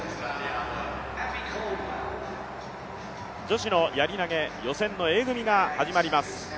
女子のやり投、予選のＡ組が始まります。